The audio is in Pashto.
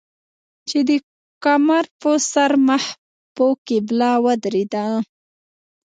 چې د کمر پۀ سر مخ پۀ قبله ودرېدم